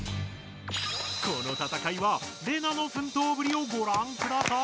この戦いはレナのふんとうぶりをごらんください。